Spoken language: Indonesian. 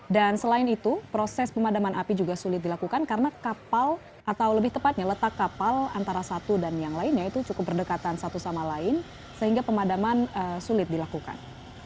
dan selain itu proses pemadaman api juga sulit dilakukan karena kapal atau lebih tepatnya letak kapal antara satu dan yang lainnya itu cukup berdekatan satu sama lain sehingga pemadaman sulit dilakukan